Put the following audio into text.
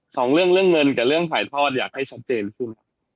สองเรื่องเรื่องเงินกับเรื่องถ่ายทอดอยากให้ชัดเจนขึ้นครับ